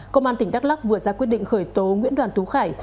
công an tỉnh đắk lắc vừa ra quyết định khởi tố nguyễn đoàn tú khải